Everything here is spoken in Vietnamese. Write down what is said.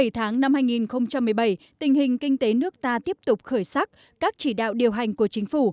bảy tháng năm hai nghìn một mươi bảy tình hình kinh tế nước ta tiếp tục khởi sắc các chỉ đạo điều hành của chính phủ